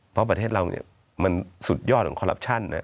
เพราะประเทศเรามันสุดยอดของคอลลับชั่น